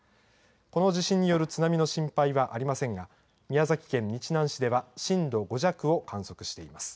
この地震による津波の心配はありませんが、宮崎県日南市では、震度５弱を観測しています。